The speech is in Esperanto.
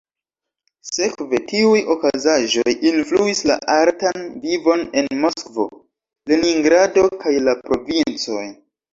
Sekve, tiuj okazaĵoj influis la artan vivon en Moskvo, Leningrado, kaj la provincoj.